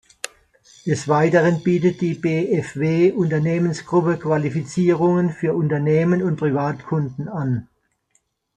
Des Weiteren bietet die bfw-Unternehmensgruppe Qualifizierungen für Unternehmen und Privatkunden an.